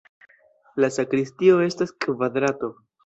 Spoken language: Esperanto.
La sakristio estas kvadrato.